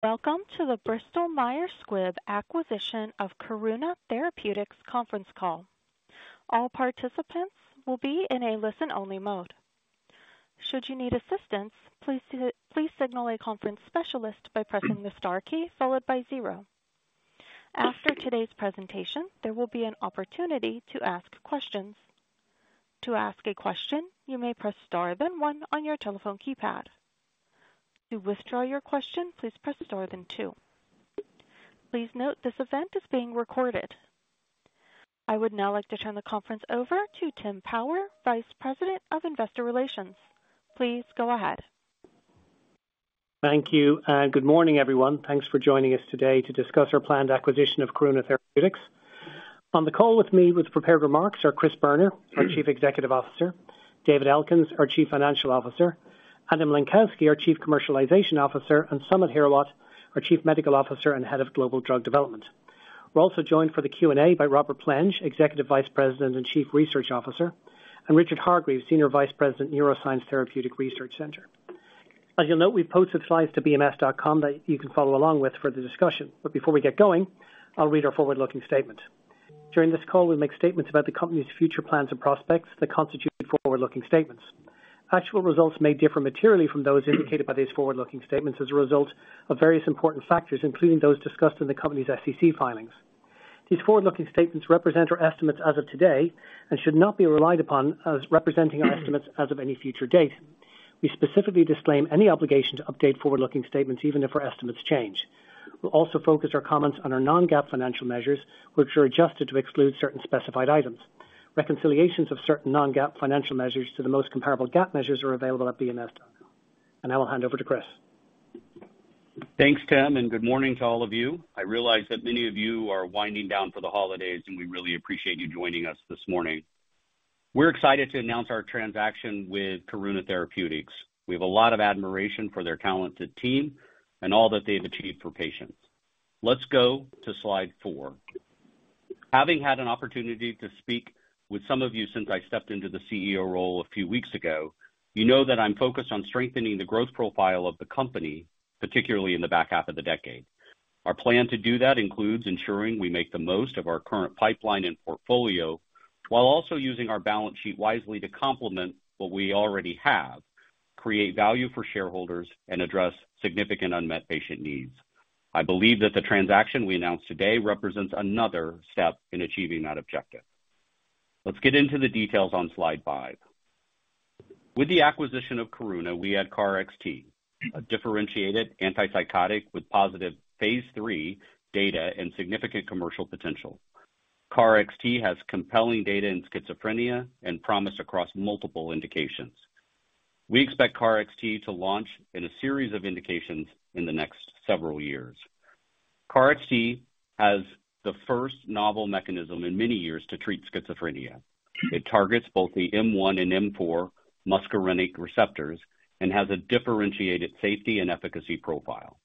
Welcome to the Bristol Myers Squibb acquisition of Karuna Therapeutics conference call. All participants will be in a listen-only mode. Should you need assistance, please signal a conference specialist by pressing the star key followed by zero. After today's presentation, there will be an opportunity to ask questions. To ask a question, you may press star then one on your telephone keypad. To withdraw your question, please press star then two. Please note, this event is being recorded. I would now like to turn the conference over to Tim Power, Vice President of Investor Relations. Please go ahead. Thank you, and good morning, everyone. Thanks for joining us today to discuss our planned acquisition of Karuna Therapeutics. On the call with me with prepared remarks are Christopher Boerner, our Chief Executive Officer, David Elkins, our Chief Financial Officer, Adam Lenkowsky, our Chief Commercialization Officer, and Samit Hirawat, our Chief Medical Officer and Head of Global Drug Development. We're also joined for the Q&A by Robert Plenge, Executive Vice President and Chief Research Officer, and Richard Hargreaves, Senior Vice President, Neuroscience Therapeutic Research Center. As you'll note, we've posted slides to bms.com that you can follow along with for the discussion. But before we get going, I'll read our forward-looking statement. During this call, we'll make statements about the company's future plans and prospects that constitute forward-looking statements. Actual results may differ materially from those indicated by these forward-looking statements as a result of various important factors, including those discussed in the company's SEC filings. These forward-looking statements represent our estimates as of today and should not be relied upon as representing our estimates as of any future date. We specifically disclaim any obligation to update forward-looking statements, even if our estimates change. We'll also focus our comments on our non-GAAP financial measures, which are adjusted to exclude certain specified items. Reconciliations of certain non-GAAP financial measures to the most comparable GAAP measures are available at bms.com. Now I'll hand over to Chris. Thanks, Tim, and good morning to all of you. I realize that many of you are winding down for the holidays, and we really appreciate you joining us this morning. We're excited to announce our transaction with Karuna Therapeutics. We have a lot of admiration for their talented team and all that they've achieved for patients. Let's go to slide 4. Having had an opportunity to speak with some of you since I stepped into the CEO role a few weeks ago, you know that I'm focused on strengthening the growth profile of the company, particularly in the back half of the decade. Our plan to do that includes ensuring we make the most of our current pipeline and portfolio, while also using our balance sheet wisely to complement what we already have, create value for shareholders, and address significant unmet patient needs. I believe that the transaction we announced today represents another step in achieving that objective. Let's get into the details on slide 5. With the acquisition of Karuna, we add KarXT, a differentiated antipsychotic with positive phase 3 data and significant commercial potential. KarXT has compelling data in schizophrenia and promise across multiple indications. We expect KarXT to launch in a series of indications in the next several years. KarXT has the first novel mechanism in many years to treat schizophrenia. It targets both the M1 and M4 muscarinic receptors and has a differentiated safety and efficacy profile.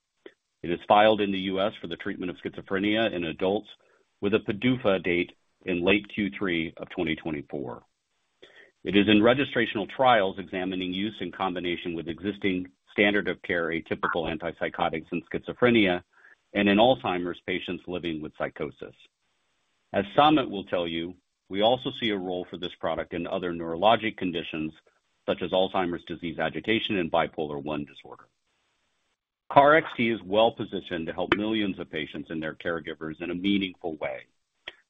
It is filed in the U.S. for the treatment of schizophrenia in adults with a PDUFA date in late Q3 of 2024. It is in registrational trials examining use in combination with existing standard of care, atypical antipsychotics in schizophrenia and in Alzheimer's patients living with psychosis. As Samit will tell you, we also see a role for this product in other neurologic conditions, such as Alzheimer's disease, agitation, and bipolar I disorder. KarXT is well positioned to help millions of patients and their caregivers in a meaningful way.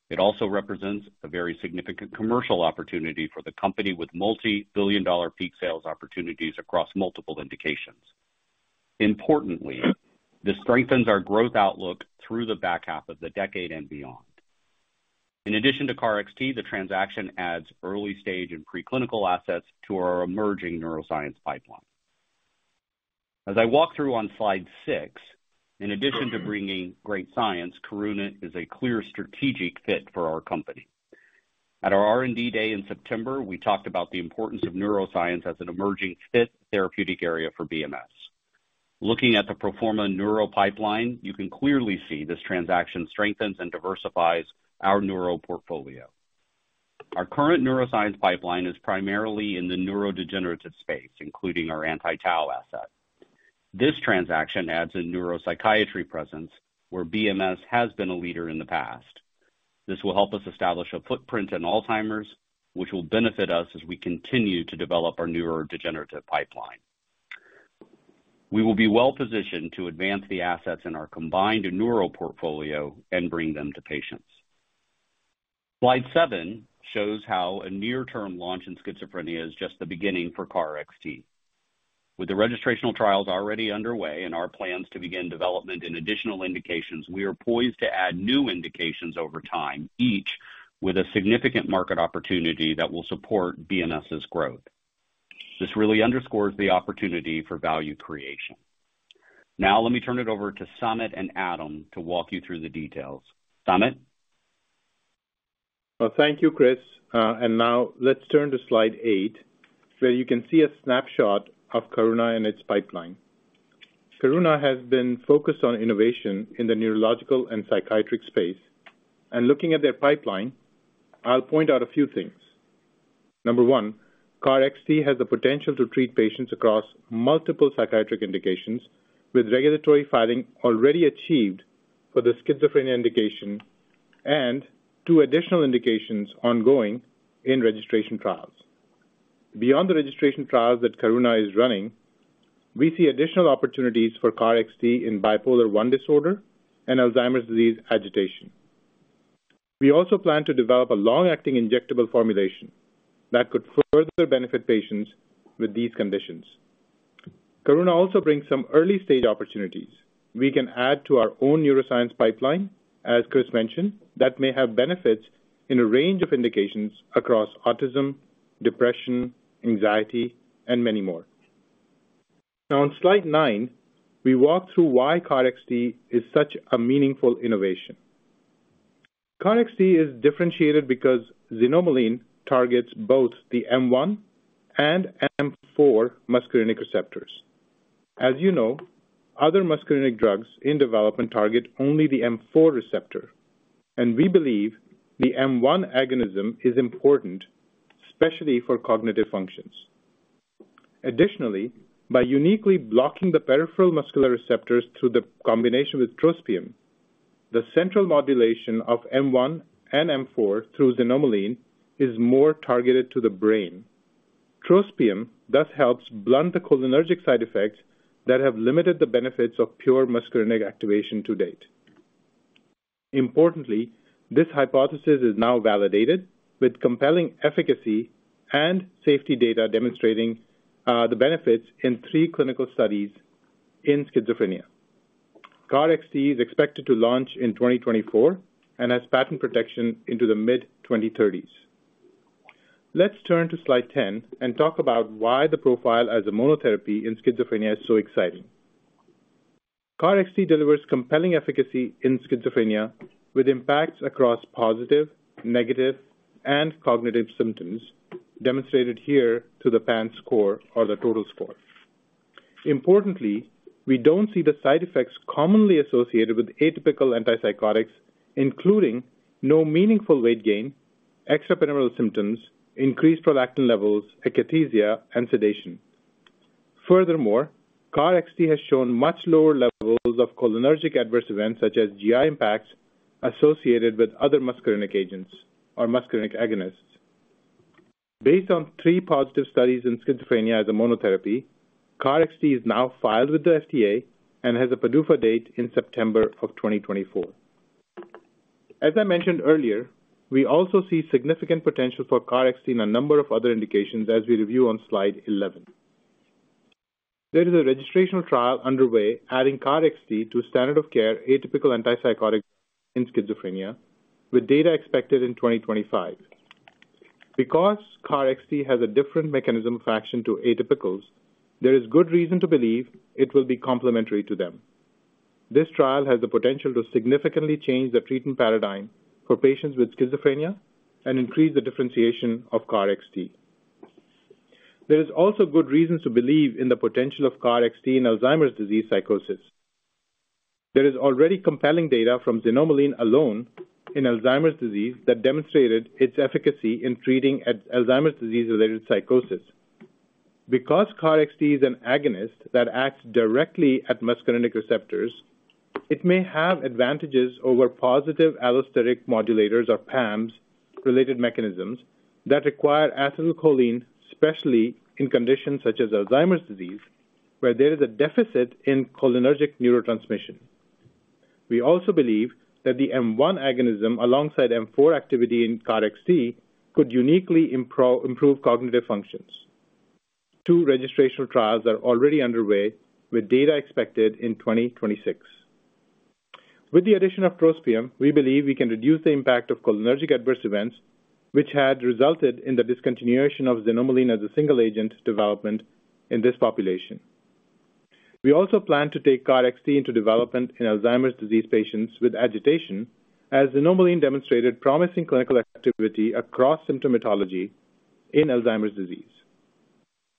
It also represents a very significant commercial opportunity for the company, with multi-billion dollar peak sales opportunities across multiple indications. Importantly, this strengthens our growth outlook through the back half of the decade and beyond. In addition to KarXT, the transaction adds early stage and preclinical assets to our emerging neuroscience pipeline. As I walk through on slide six, in addition to bringing great science, Karuna is a clear strategic fit for our company. At our R&D day in September, we talked about the importance of neuroscience as an emerging fifth therapeutic area for BMS. Looking at the pro forma neuro pipeline, you can clearly see this transaction strengthens and diversifies our neuro portfolio. Our current neuroscience pipeline is primarily in the neurodegenerative space, including our anti-tau asset. This transaction adds a neuropsychiatry presence where BMS has been a leader in the past. This will help us establish a footprint in Alzheimer's, which will benefit us as we continue to develop our neurodegenerative pipeline. We will be well positioned to advance the assets in our combined neuro portfolio and bring them to patients. Slide seven shows how a near-term launch in schizophrenia is just the beginning for KarXT. With the registrational trials already underway and our plans to begin development in additional indications, we are poised to add new indications over time, each with a significant market opportunity that will support BMS's growth. This really underscores the opportunity for value creation. Now, let me turn it over to Samit and Adam to walk you through the details. Samit? Well, thank you, Chris. Now let's turn to slide 8, where you can see a snapshot of Karuna and its pipeline. Karuna has been focused on innovation in the neurological and psychiatric space, and looking at their pipeline, I'll point out a few things. Number one, KarXT has the potential to treat patients across multiple psychiatric indications, with regulatory filing already achieved for the schizophrenia indication and two additional indications ongoing in registration trials. Beyond the registration trials that Karuna is running, we see additional opportunities for KarXT in bipolar one disorder and Alzheimer's disease agitation. We also plan to develop a long-acting injectable formulation that could further benefit patients with these conditions. Karuna also brings some early-stage opportunities we can add to our own neuroscience pipeline, as Chris mentioned, that may have benefits in a range of indications across autism, depression, anxiety, and many more. Now, on slide nine, we walk through why KarXT is such a meaningful innovation. KarXT is differentiated because xanomeline targets both the M1 and M4 muscarinic receptors. As you know, other muscarinic drugs in development target only the M4 receptor, and we believe the M1 agonism is important, especially for cognitive functions. Additionally, by uniquely blocking the peripheral muscular receptors through the combination with trospium, the central modulation of M1 and M4 through xanomeline is more targeted to the brain. Trospium thus helps blunt the cholinergic side effects that have limited the benefits of pure muscarinic activation to date. Importantly, this hypothesis is now validated with compelling efficacy and safety data demonstrating the benefits in three clinical studies in schizophrenia. KarXT is expected to launch in 2024 and has patent protection into the mid-2030s. Let's turn to slide 10 and talk about why the profile as a monotherapy in schizophrenia is so exciting. KarXT delivers compelling efficacy in schizophrenia with impacts across positive, negative, and cognitive symptoms, demonstrated here to the PANSS score or the total score. Importantly, we don't see the side effects commonly associated with atypical antipsychotics, including no meaningful weight gain, extrapyramidal symptoms, increased prolactin levels, akathisia, and sedation. Furthermore, KarXT has shown much lower levels of cholinergic adverse events, such as GI impacts associated with other muscarinic agents or muscarinic agonists. Based on three positive studies in schizophrenia as a monotherapy, KarXT is now filed with the FDA and has a PDUFA date in September of 2024. As I mentioned earlier, we also see significant potential for KarXT in a number of other indications, as we review on slide 11. There is a registrational trial underway adding KarXT to standard of care atypical antipsychotic in schizophrenia, with data expected in 2025. Because KarXT has a different mechanism of action to atypicals, there is good reason to believe it will be complementary to them. This trial has the potential to significantly change the treatment paradigm for patients with schizophrenia and increase the differentiation of KarXT. There is also good reasons to believe in the potential of KarXT in Alzheimer's disease psychosis. There is already compelling data from xanomeline alone in Alzheimer's disease that demonstrated its efficacy in treating Alzheimer's disease-related psychosis. Because KarXT is an agonist that acts directly at muscarinic receptors, it may have advantages over positive allosteric modulators, or PAMs, related mechanisms that require acetylcholine, especially in conditions such as Alzheimer's disease, where there is a deficit in cholinergic neurotransmission. We also believe that the M1 agonism, alongside M4 activity in KarXT, could uniquely improve cognitive functions. Two registrational trials are already underway, with data expected in 2026. With the addition of trospium, we believe we can reduce the impact of cholinergic adverse events, which had resulted in the discontinuation of xanomeline as a single-agent development in this population. We also plan to take KarXT into development in Alzheimer's disease patients with agitation, as xanomeline demonstrated promising clinical activity across symptomatology in Alzheimer's disease.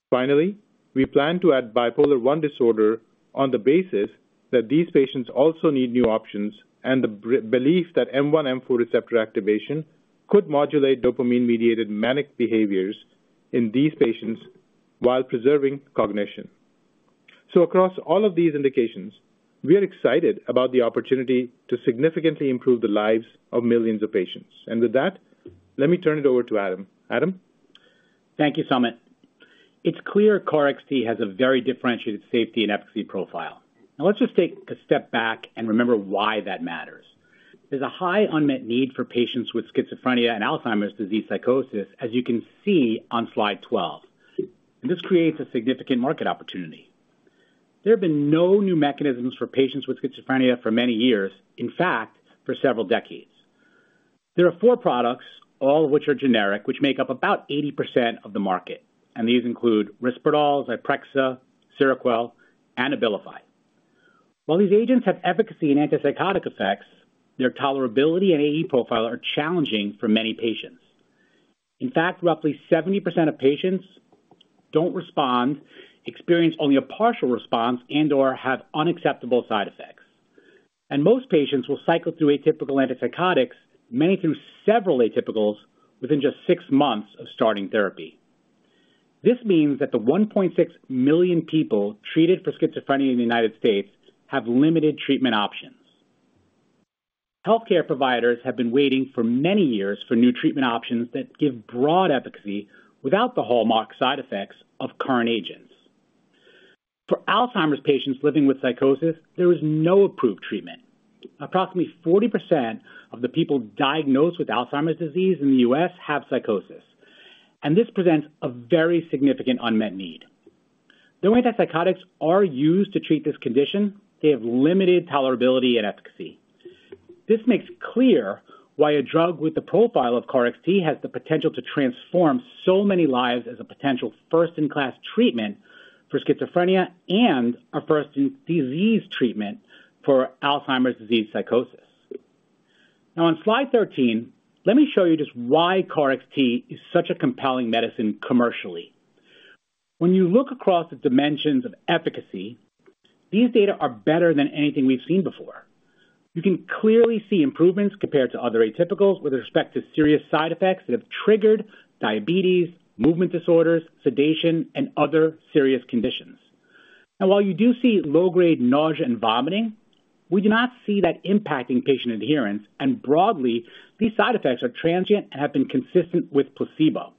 Finally, we plan to add bipolar one disorder on the basis that these patients also need new options and the belief that M1, M4 receptor activation could modulate dopamine-mediated manic behaviors in these patients while preserving cognition. So across all of these indications, we are excited about the opportunity to significantly improve the lives of millions of patients. And with that, let me turn it over to Adam. Adam? Thank you, Samit. It's clear KarXT has a very differentiated safety and efficacy profile. Now, let's just take a step back and remember why that matters. There's a high unmet need for patients with schizophrenia and Alzheimer's disease psychosis, as you can see on slide 12, and this creates a significant market opportunity. There have been no new mechanisms for patients with schizophrenia for many years, in fact, for several decades. There are 4 products, all of which are generic, which make up about 80% of the market, and these include Risperdal, Zyprexa, Seroquel, and Abilify. While these agents have efficacy and antipsychotic effects, their tolerability and AE profile are challenging for many patients. In fact, roughly 70% of patients don't respond, experience only a partial response, and/or have unacceptable side effects. Most patients will cycle through atypical antipsychotics, many through several atypicals, within just 6 months of starting therapy. This means that the 1.6 million people treated for schizophrenia in the United States have limited treatment options. Healthcare providers have been waiting for many years for new treatment options that give broad efficacy without the hallmark side effects of current agents. For Alzheimer's patients living with psychosis, there is no approved treatment. Approximately 40% of the people diagnosed with Alzheimer's disease in the US have psychosis, and this presents a very significant unmet need. Though antipsychotics are used to treat this condition, they have limited tolerability and efficacy. This makes clear why a drug with the profile of KarXT has the potential to transform so many lives as a potential first-in-class treatment for schizophrenia and a first-in-disease treatment for Alzheimer's disease psychosis. Now, on slide 13, let me show you just why KarXT is such a compelling medicine commercially. When you look across the dimensions of efficacy, these data are better than anything we've seen before. You can clearly see improvements compared to other atypicals with respect to serious side effects that have triggered diabetes, movement disorders, sedation, and other serious conditions. And while you do see low-grade nausea and vomiting, we do not see that impacting patient adherence, and broadly, these side effects are transient and have been consistent with placebo.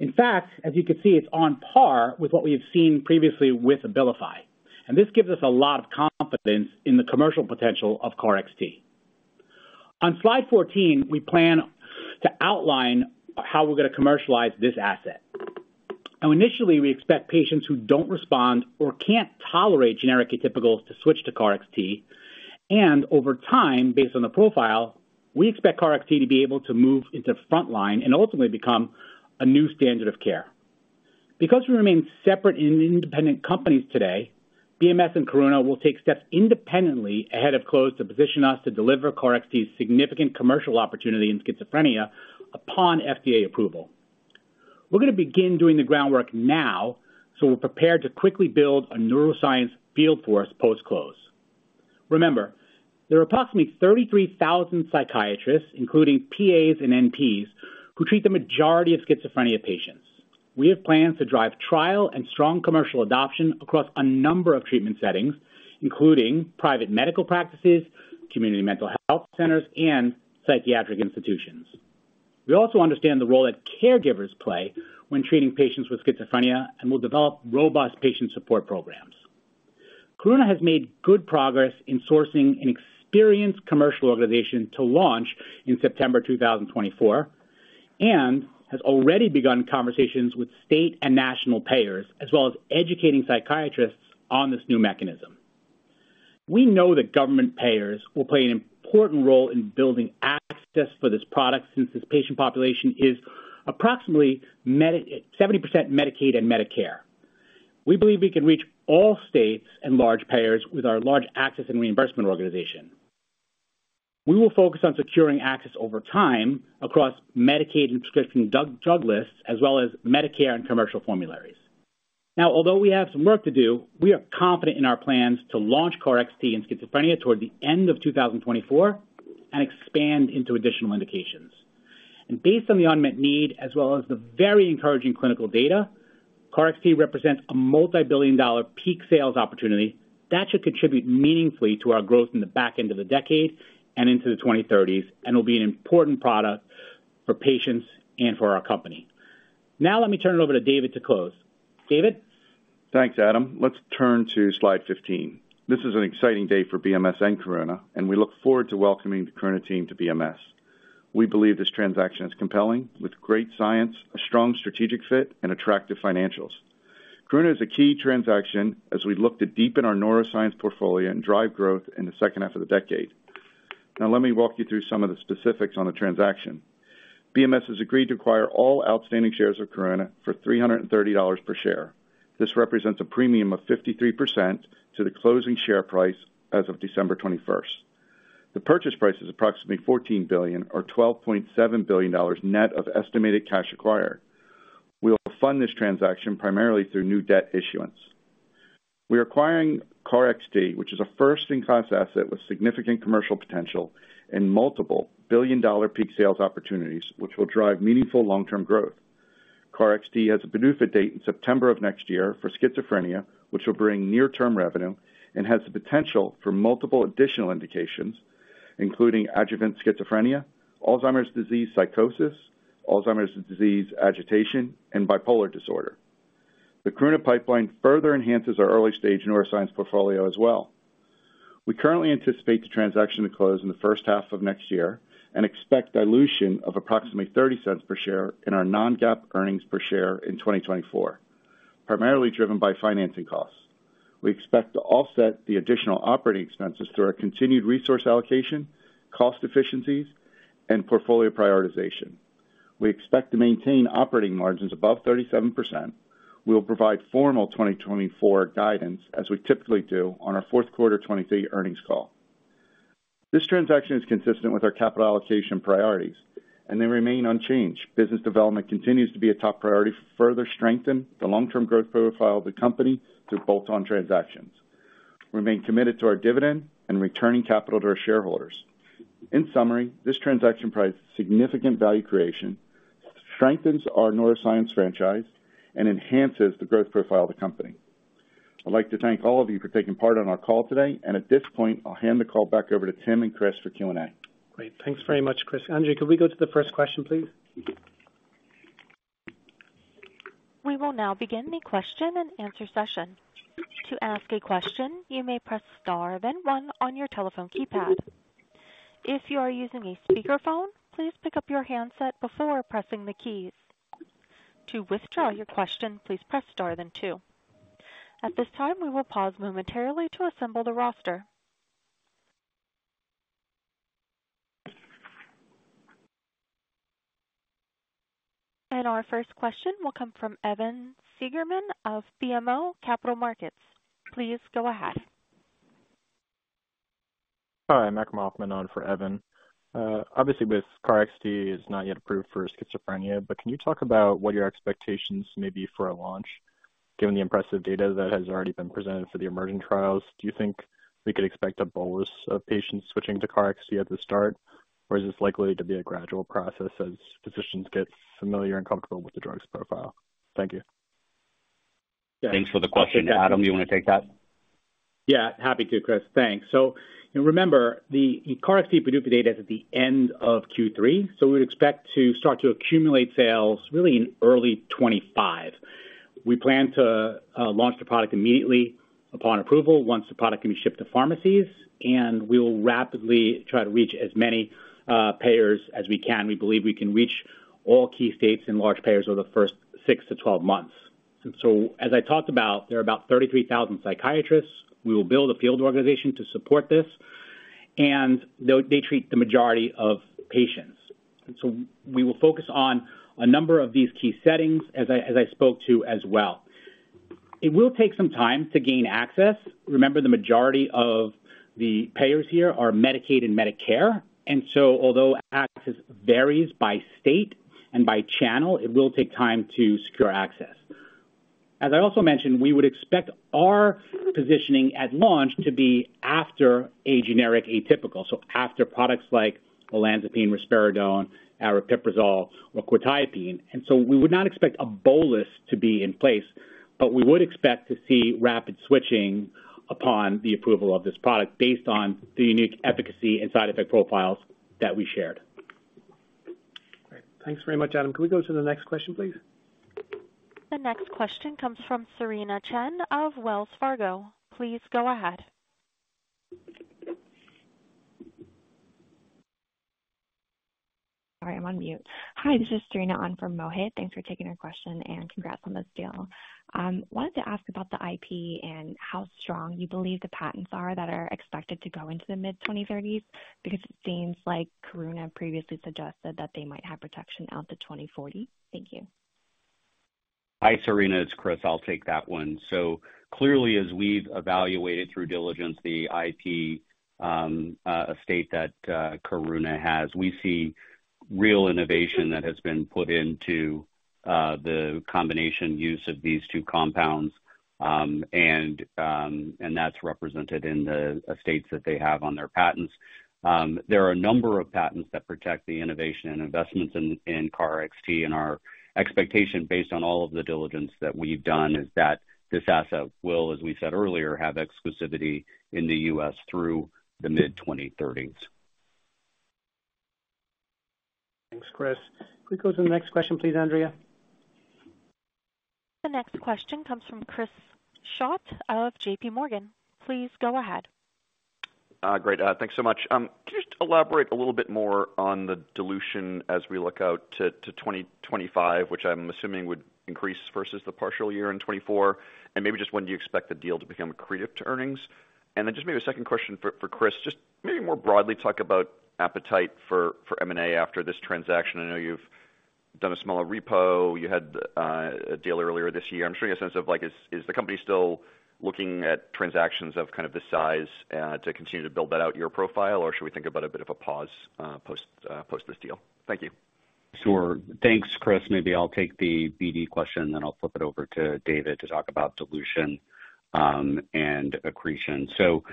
In fact, as you can see, it's on par with what we have seen previously with Abilify, and this gives us a lot of confidence in the commercial potential of KarXT. On slide 14, we plan to outline how we're going to commercialize this asset. Now, initially, we expect patients who don't respond or can't tolerate generic atypicals to switch to KarXT, and over time, based on the profile, we expect KarXT to be able to move into frontline and ultimately become a new standard of care. Because we remain separate and independent companies today, BMS and Karuna will take steps independently ahead of close to position us to deliver KarXT's significant commercial opportunity in schizophrenia upon FDA approval. We're going to begin doing the groundwork now, so we're prepared to quickly build a neuroscience field force post close. Remember, there are approximately 33,000 psychiatrists, including PAs and NPs, who treat the majority of schizophrenia patients. We have plans to drive trial and strong commercial adoption across a number of treatment settings, including private medical practices, community mental health centers, and psychiatric institutions. We also understand the role that caregivers play when treating patients with schizophrenia and will develop robust patient support programs. Karuna has made good progress in sourcing an experienced commercial organization to launch in September 2024 and has already begun conversations with state and national payers, as well as educating psychiatrists on this new mechanism. We know that government payers will play an important role in building access for this product, since this patient population is approximately seventy percent Medicaid and Medicare. We believe we can reach all states and large payers with our large access and reimbursement organization. We will focus on securing access over time across Medicaid and prescription drug lists, as well as Medicare and commercial formularies. Now, although we have some work to do, we are confident in our plans to launch KarXT in schizophrenia toward the end of 2024 and expand into additional indications. And based on the unmet need, as well as the very encouraging clinical data, KarXT represents a multibillion-dollar peak sales opportunity that should contribute meaningfully to our growth in the back end of the decade and into the 2030s and will be an important product for patients and for our company. Now let me turn it over to David to close. David? Thanks, Adam. Let's turn to slide 15. This is an exciting day for BMS and Karuna, and we look forward to welcoming the Karuna team to BMS. We believe this transaction is compelling with great science, a strong strategic fit, and attractive financials. Karuna is a key transaction as we look to deepen our neuroscience portfolio and drive growth in the second half of the decade. Now, let me walk you through some of the specifics on the transaction. BMS has agreed to acquire all outstanding shares of Karuna for $330 per share. This represents a premium of 53% to the closing share price as of December 21. The purchase price is approximately $14 billion, or $12.7 billion, net of estimated cash acquired. We will fund this transaction primarily through new debt issuance. We are acquiring KarXT, which is a first-in-class asset with significant commercial potential and multiple billion-dollar peak sales opportunities, which will drive meaningful long-term growth. KarXT has a PDUFA date in September of next year for schizophrenia, which will bring near-term revenue and has the potential for multiple additional indications, including adjuvant schizophrenia, Alzheimer's disease psychosis, Alzheimer's disease agitation, and bipolar disorder. The Karuna pipeline further enhances our early-stage neuroscience portfolio as well. We currently anticipate the transaction to close in the first half of next year and expect dilution of approximately $0.30 per share in our non-GAAP earnings per share in 2024, primarily driven by financing costs. We expect to offset the additional operating expenses through our continued resource allocation, cost efficiencies, and portfolio prioritization. We expect to maintain operating margins above 37%. We will provide formal 2024 guidance, as we typically do, on our Q4 2023 earnings call. This transaction is consistent with our capital allocation priorities, and they remain unchanged. Business development continues to be a top priority to further strengthen the long-term growth profile of the company through bolt-on transactions. We remain committed to our dividend and returning capital to our shareholders. In summary, this transaction provides significant value creation, strengthens our neuroscience franchise, and enhances the growth profile of the company. I'd like to thank all of you for taking part in our call today, and at this point, I'll hand the call back over to Tim and Chris for Q&A. Great. Thanks very much, Chris. Andrea, could we go to the first question, please? We will now begin the question and answer session. To ask a question, you may press star then one on your telephone keypad. If you are using a speakerphone, please pick up your handset before pressing the keys. To withdraw your question, please press star then two. At this time, we will pause momentarily to assemble the roster. Our first question will come from Evan Segerman of BMO Capital Markets. Please go ahead. Hi, MaccAllister Maffei on for Evan. Obviously, with KarXT is not yet approved for schizophrenia, but can you talk about what your expectations may be for a launch? Given the impressive data that has already been presented for the emerging trials, do you think we could expect a bolus of patients switching to KarXT at the start, or is this likely to be a gradual process as physicians get familiar and comfortable with the drug's profile? Thank you. Thanks for the question. Adam, do you want to take that? Yeah, happy to, Chris. Thanks. So remember, the KarXT PDUFA date is at the end of Q3, so we would expect to start to accumulate sales really in early 2025. We plan to launch the product immediately upon approval, once the product can be shipped to pharmacies, and we will rapidly try to reach as many payers as we can. We believe we can reach all key states and large payers over the first 6-12 months. And so, as I talked about, there are about 33,000 psychiatrists. We will build a field organization to support this, and they, they treat the majority of patients. So we will focus on a number of these key settings, as I, as I spoke to as well. It will take some time to gain access. Remember, the majority of the payers here are Medicaid and Medicare, and so although access varies by state and by channel, it will take time to secure access. As I also mentioned, we would expect our positioning at launch to be after a generic atypical, so after products like olanzapine, risperidone, aripiprazole, or quetiapine. And so we would not expect a bolus to be in place, but we would expect to see rapid switching upon the approval of this product based on the unique efficacy and side effect profiles that we shared. Great. Thanks very much, Adam. Can we go to the next question, please? The next question comes from Serena Chen of Wells Fargo. Please go ahead. Sorry, I'm on mute. Hi, this is Serena on for Mohit. Thanks for taking our question, and congrats on this deal. Wanted to ask about the IP and how strong you believe the patents are that are expected to go into the mid-2030s, because it seems like Karuna previously suggested that they might have protection out to 2040. Thank you. Hi, Cerena, it's Chris. I'll take that one. So clearly, as we've evaluated through diligence the IP estate that Karuna has, we see real innovation that has been put into the combination use of these two compounds, and that's represented in the estates that they have on their patents. There are a number of patents that protect the innovation and investments in KarXT, and our expectation, based on all of the diligence that we've done, is that this asset will, as we said earlier, have exclusivity in the U.S. through the mid-2030s. Thanks, Chris. Can we go to the next question, please, Andrea? The next question comes from Chris Schott of J.P. Morgan. Please go ahead. Great. Thanks so much. Can you just elaborate a little bit more on the dilution as we look out to 2025, which I'm assuming would increase versus the partial year in 2024, and maybe just when do you expect the deal to become accretive to earnings? And then just maybe a second question for Chris, just maybe more broadly, talk about appetite for M&A after this transaction. I know you've done a smaller repo. You had a deal earlier this year. I'm just trying to get a sense of, like, is the company still looking at transactions of kind of this size to continue to build out your profile, or should we think about a bit of a pause post this deal? Thank you. Sure. Thanks, Chris. Maybe I'll take the BD question, then I'll flip it over to David to talk about dilution, and accretion. So,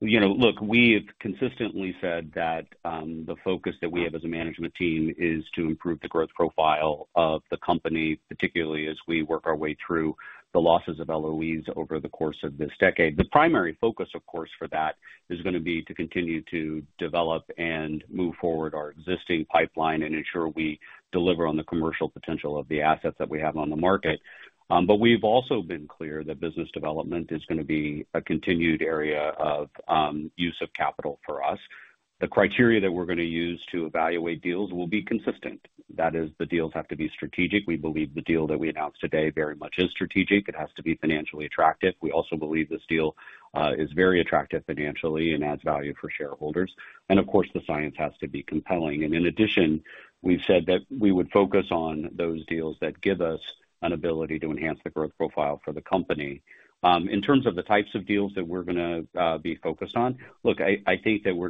you know, look, we have consistently said that the focus that we have as a management team is to improve the growth profile of the company, particularly as we work our way through the losses of LOEs over the course of this decade. The primary focus, of course, for that is going to be to continue to develop and move forward our existing pipeline and ensure we deliver on the commercial potential of the assets that we have on the market. But we've also been clear that business development is going to be a continued area of use of capital for us. The criteria that we're going to use to evaluate deals will be consistent. That is, the deals have to be strategic. We believe the deal that we announced today very much is strategic. It has to be financially attractive. We also believe this deal is very attractive financially and adds value for shareholders. And of course, the science has to be compelling. And in addition, we've said that we would focus on those deals that give us an ability to enhance the growth profile for the company. In terms of the types of deals that we're going to be focused on, we are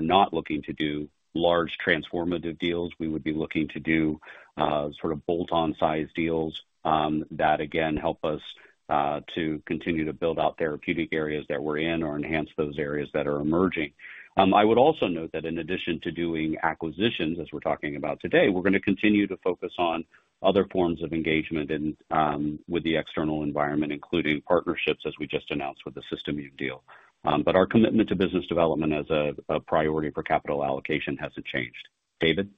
not looking to do large transformative deals. We would be looking to do sort of bolt-on size deals that again help us to continue to build out therapeutic areas that we're in or enhance those areas that are emerging. I would also note that in addition to doing acquisitions, as we're talking about today, we're going to continue to focus on other forms of engagement in, with the external environment, including partnerships, as we just announced with the SystImmune deal. But our commitment to business development as a priority for capital allocation hasn't changed. David?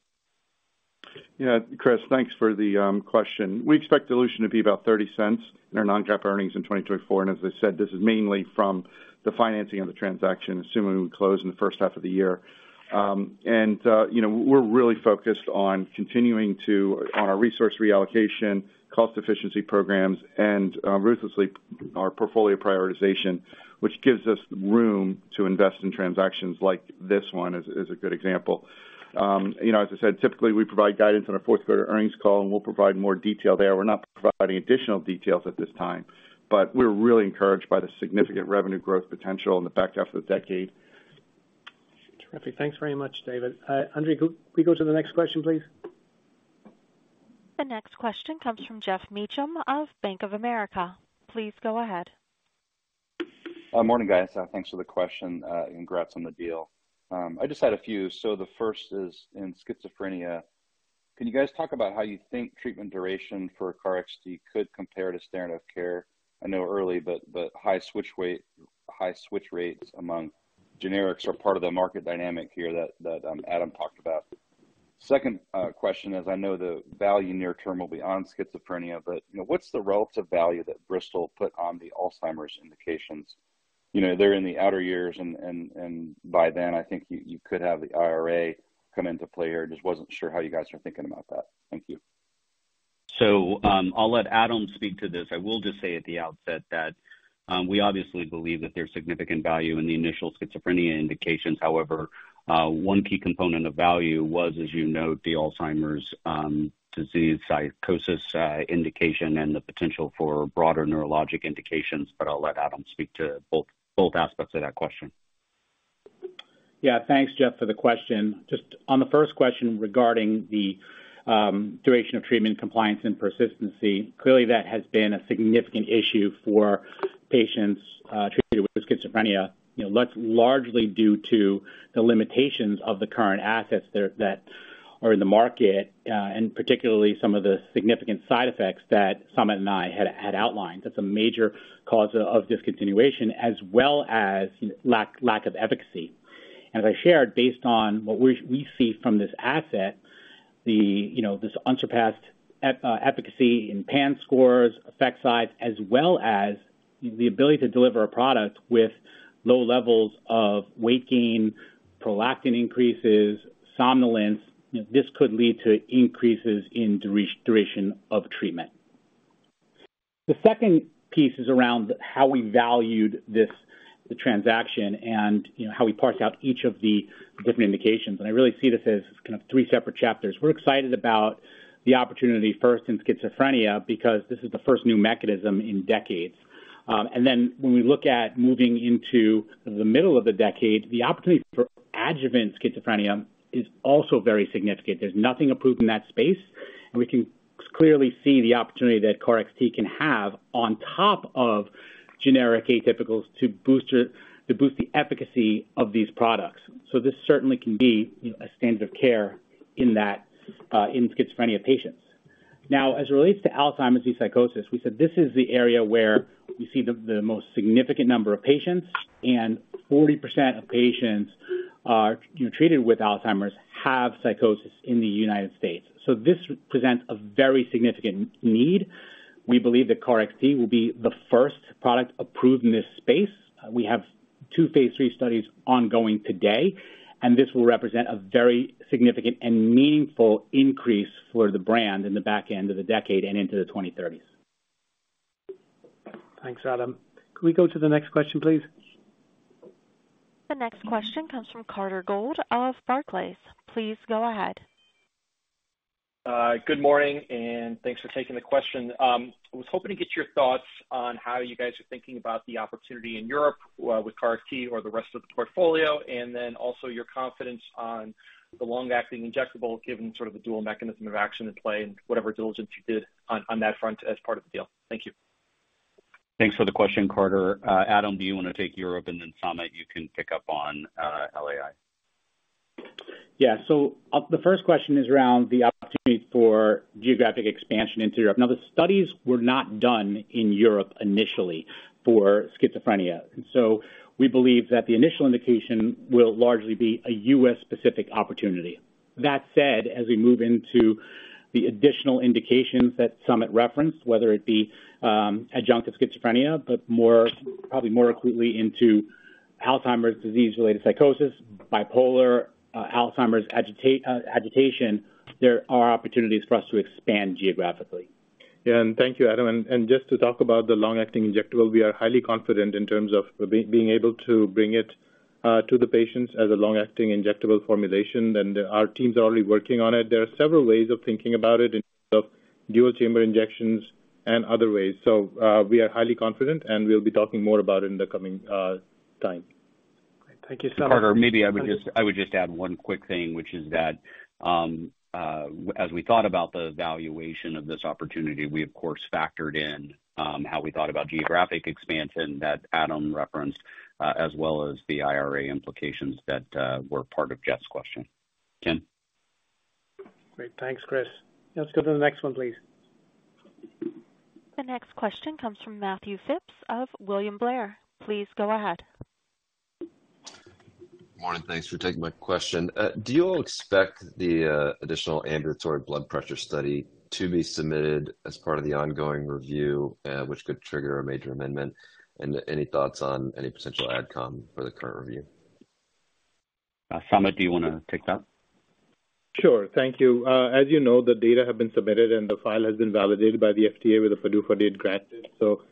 Yeah, Chris, thanks for the question. We expect dilution to be about $0.30 in our non-GAAP earnings in 2024. And as I said, this is mainly from the financing of the transaction, assuming we close in the first half of the year. You know, we're really focused on continuing to, on our resource reallocation, cost efficiency programs and ruthlessly our portfolio prioritization, which gives us room to invest in transactions like this one, is, is a good example. You know, as I said, typically we provide guidance on our Q4 earnings call, and we'll provide more detail there. We're not providing additional details at this time, but we're really encouraged by the significant revenue growth potential in the back half of the decade. Terrific. Thanks very much, David. Andrea, could we go to the next question, please? The next question comes from Geoff Meacham of Bank of America. Please go ahead. Morning, guys. Thanks for the question, and congrats on the deal. I just had a few. So the first is in schizophrenia. Can you guys talk about how you think treatment duration for KarXT could compare to standard of care? I know early, but high switch rates among generics are part of the market dynamic here that Adam talked about. Second, question is, I know the value near term will be on schizophrenia, but you know, what's the relative value that Bristol put on the Alzheimer's indications? You know, they're in the outer years and by then, I think you could have the IRA come into play here. Just wasn't sure how you guys are thinking about that. Thank you. So, I'll let Adam speak to this. I will just say at the outset that, we obviously believe that there's significant value in the initial schizophrenia indications. However, one key component of value was, as you note, the Alzheimer's, disease psychosis, indication and the potential for broader neurologic indications, but I'll let Adam speak to both, both aspects of that question. Yeah. Thanks, Geoff, for the question. Just on the first question regarding the duration of treatment, compliance and persistency. Clearly, that has been a significant issue for patients treated with schizophrenia. You know, that's largely due to the limitations of the current assets that are in the market and particularly some of the significant side effects that Samit and I had outlined. That's a major cause of discontinuation as well as lack of efficacy. As I shared, based on what we see from this asset, you know, this unsurpassed efficacy in PANSS scores, effect size, as well as the ability to deliver a product with low levels of weight gain, prolactin increases, somnolence, this could lead to increases in duration of treatment. The second piece is around how we valued this, the transaction and, you know, how we parse out each of the different indications. And I really see this as kind of three separate chapters. We're excited about the opportunity first in schizophrenia, because this is the first new mechanism in decades. And then when we look at moving into the middle of the decade, the opportunity for adjuvant schizophrenia is also very significant. There's nothing approved in that space, and we can clearly see the opportunity that KarXT can have on top of generic atypicals to boost it, to boost the efficacy of these products. So this certainly can be, you know, a standard of care in that, in schizophrenia patients. Now, as it relates to Alzheimer's disease psychosis, we said this is the area where we see the most significant number of patients, and 40% of patients are treated with Alzheimer's have psychosis in the United States. So this presents a very significant need. We believe that KarXT will be the first product approved in this space. We have two phase 3 studies ongoing today, and this will represent a very significant and meaningful increase for the brand in the back end of the decade and into the 2030s. Thanks, Adam. Can we go to the next question, please? The next question comes from Carter Gould of Barclays. Please go ahead. Good morning, and thanks for taking the question. I was hoping to get your thoughts on how you guys are thinking about the opportunity in Europe, with KarXT or the rest of the portfolio, and then also your confidence on the long-acting injectable, given sort of the dual mechanism of action at play and whatever diligence you did on that front as part of the deal. Thank you. Thanks for the question, Carter. Adam, do you want to take Europe? And then, Samit, you can pick up on LAI. Yeah. So the first question is around the opportunity for geographic expansion into Europe. Now, the studies were not done in Europe initially for schizophrenia, so we believe that the initial indication will largely be a U.S.-specific opportunity. That said, as we move into the additional indications that Samit referenced, whether it be, adjunct of schizophrenia, but more, probably more acutely into Alzheimer's disease-related psychosis, bipolar, Alzheimer's agitation, there are opportunities for us to expand geographically. Yeah, and thank you, Adam. And just to talk about the long-acting injectable, we are highly confident in terms of being able to bring it to the patients as a long-acting injectable formulation, and our teams are already working on it. There are several ways of thinking about it in terms of dual chamber injections and other ways. So, we are highly confident, and we'll be talking more about it in the coming time. Thank you, Samit. Carter, maybe I would just add one quick thing, which is that as we thought about the valuation of this opportunity, we of course factored in how we thought about geographic expansion that Adam referenced, as well as the IRA implications that were part of Jeff's question. Tim? Great. Thanks, Chris. Let's go to the next one, please. The next question comes from Matthew Phipps of William Blair. Please go ahead. Morning. Thanks for taking my question. Do you all expect the additional ambulatory blood pressure study to be submitted as part of the ongoing review, which could trigger a major amendment? And any thoughts on any potential ad com for the current review? Samit, do you want to take that? Sure. Thank you. As you know, the data have been submitted, and the file has been validated by the FDA with a PDUFA date granted. So,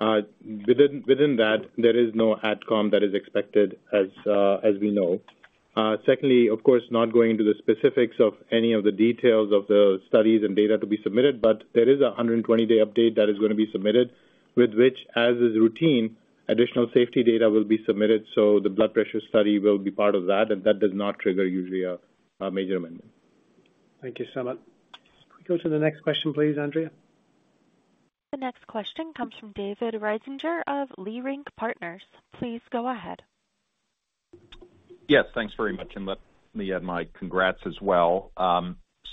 within that, there is no ad com that is expected, as we know. Secondly, of course, not going into the specifics of any of the details of the studies and data to be submitted, but there is a 120-day update that is going to be submitted, with which, as is routine, additional safety data will be submitted. So the blood pressure study will be part of that, and that does not trigger usually a major amendment. Thank you, Samit. Can we go to the next question, please, Andrea? The next question comes from David Risinger of Leerink Partners. Please go ahead. Yes, thanks very much, and let me add my congrats as well.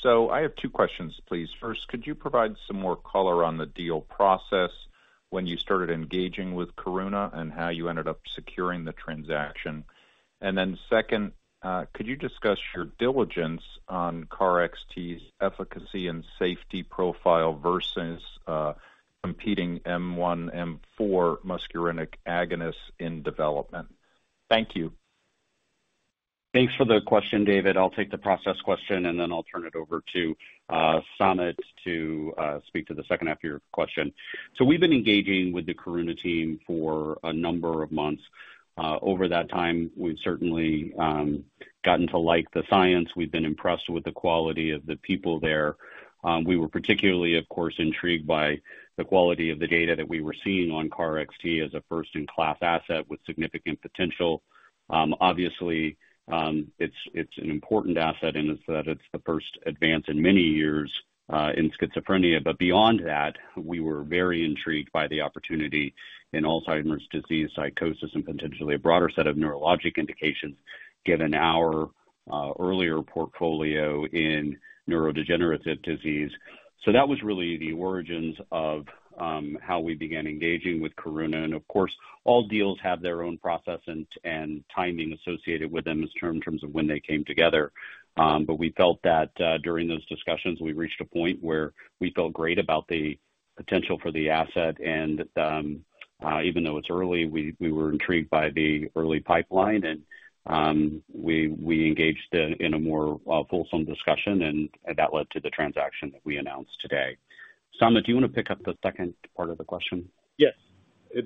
So I have two questions, please. First, could you provide some more color on the deal process when you started engaging with Karuna and how you ended up securing the transaction? And then second, could you discuss your diligence on KarXT's efficacy and safety profile versus competing M1/M4 muscarinic agonists in development? Thank you. Thanks for the question, David. I'll take the process question, and then I'll turn it over to Samit to speak to the second half of your question. So we've been engaging with the Karuna team for a number of months. Over that time, we've certainly gotten to like the science. We've been impressed with the quality of the people there. We were particularly, of course, intrigued by the quality of the data that we were seeing on KarXT as a first-in-class asset with significant potential. Obviously, it's an important asset, and it's the first advance in many years in schizophrenia. But beyond that, we were very intrigued by the opportunity in Alzheimer's disease, psychosis, and potentially a broader set of neurologic indications, given our earlier portfolio in neurodegenerative disease. So that was really the origins of how we began engaging with Karuna. And of course, all deals have their own process and timing associated with them in terms of when they came together. But we felt that during those discussions, we reached a point where we felt great about the potential for the asset. And even though it's early, we were intrigued by the early pipeline, and we engaged in a more fulsome discussion, and that led to the transaction that we announced today. Samit, do you want to pick up the second part of the question? Yes.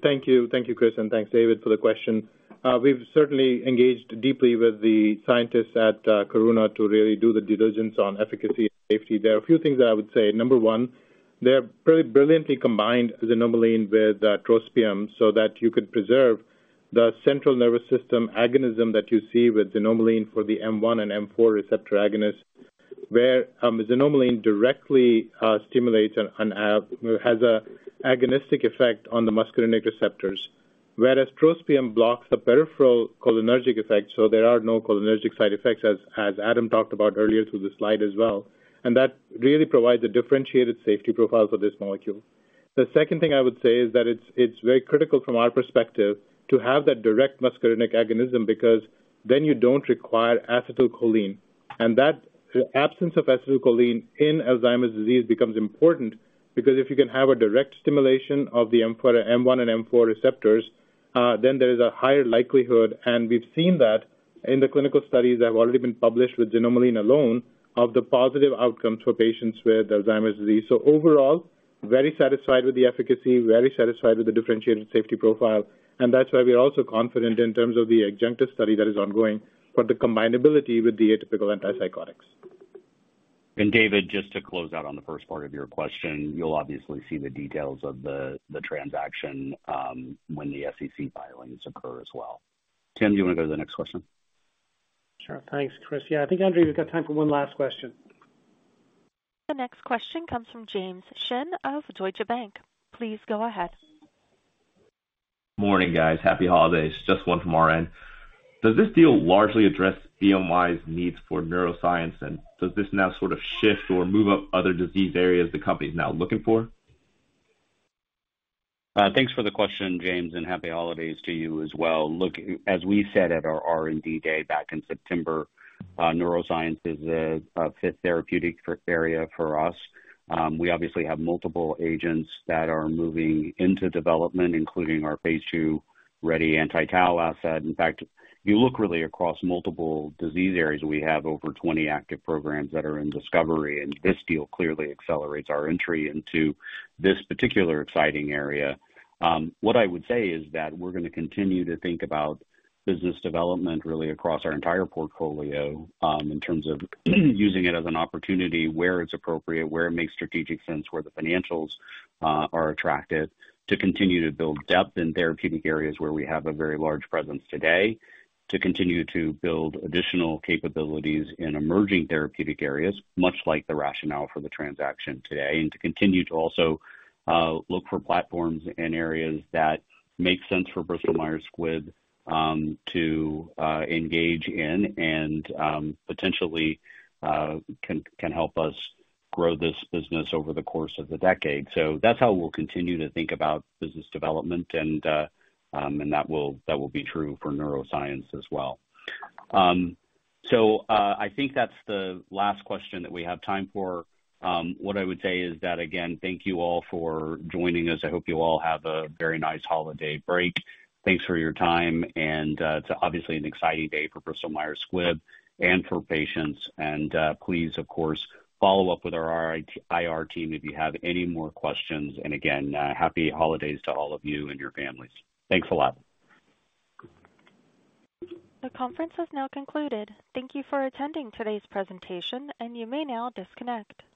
Thank you. Thank you, Chris, and thanks, David, for the question. We've certainly engaged deeply with the scientists at Karuna to really do the diligence on efficacy and safety. There are a few things that I would say. Number one, they have very brilliantly combined xanomeline with trospium so that you could preserve the central nervous system agonism that you see with xanomeline for the M1 and M4 receptor agonist, where xanomeline directly stimulates and has a agonistic effect on the muscarinic receptors, whereas trospium blocks the peripheral cholinergic effects, so there are no cholinergic side effects, as Adam talked about earlier through the slide as well. And that really provides a differentiated safety profile for this molecule. The second thing I would say is that it's very critical from our perspective to have that direct muscarinic agonism, because then you don't require acetylcholine. And that absence of acetylcholine in Alzheimer's disease becomes important, because if you can have a direct stimulation of the M4, M1 and M4 receptors, then there is a higher likelihood, and we've seen that in the clinical studies that have already been published with xanomeline alone, of the positive outcomes for patients with Alzheimer's disease. So overall, very satisfied with the efficacy, very satisfied with the differentiated safety profile, and that's why we are also confident in terms of the adjunctive study that is ongoing for the combinability with the atypical antipsychotics. David, just to close out on the first part of your question, you'll obviously see the details of the transaction, when the SEC filings occur as well. Tim, do you want to go to the next question? Sure. Thanks, Chris. Yeah, I think, Andrea, we've got time for one last question. The next question comes from James Shin of Deutsche Bank. Please go ahead. Morning, guys. Happy holidays. Just one from our end. Does this deal largely address BMS's needs for neuroscience, and does this now sort of shift or move up other disease areas the company is now looking for? Thanks for the question, James, and happy holidays to you as well. Look, as we said at our R&D day back in September, neuroscience is a fifth therapeutic area for us. We obviously have multiple agents that are moving into development, including our phase 2-ready anti-tau asset. In fact, you look really across multiple disease areas. We have over 20 active programs that are in discovery, and this deal clearly accelerates our entry into this particular exciting area. What I would say is that we're going to continue to think about business development really across our entire portfolio, in terms of using it as an opportunity where it's appropriate, where it makes strategic sense, where the financials are attractive, to continue to build depth in therapeutic areas where we have a very large presence today, to continue to build additional capabilities in emerging therapeutic areas, much like the rationale for the transaction today, and to continue to also look for platforms in areas that make sense for Bristol Myers Squibb, to engage in and potentially can help us grow this business over the course of the decade. So that's how we'll continue to think about business development, and that will be true for neuroscience as well. So, I think that's the last question that we have time for. What I would say is that, again, thank you all for joining us. I hope you all have a very nice holiday break. Thanks for your time, and it's obviously an exciting day for Bristol Myers Squibb and for patients. And please, of course, follow up with our IR team if you have any more questions. And again, happy holidays to all of you and your families. Thanks a lot. The conference has now concluded. Thank you for attending today's presentation, and you may now disconnect.